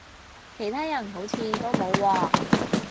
其他人好似都冇喎